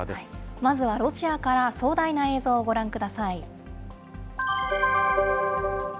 まずはロシアから、壮大な映像をご覧ください。